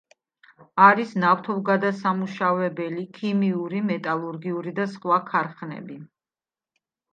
არის ნავთობგადასამუშავებელი, ქიმიური, მეტალურგიული და სხვა ქარხნები.